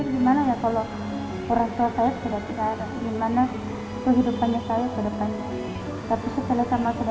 bagaimana kalau orang tua saya sudah kemarin bagaimana kehidupan saya ke depannya